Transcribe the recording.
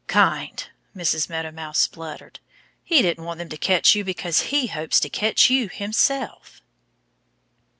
"Kind!" Mrs. Meadow Mouse spluttered. "He didn't want them to catch you because he hopes to catch you himself!"